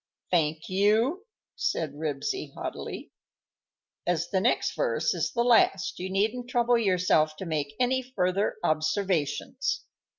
"Thank you," said Ribsy, haughtily. "As the next verse is the last you needn't trouble yourself to make any further observations."